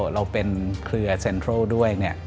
เราเป็นเครือเซ็นทรัลด้วย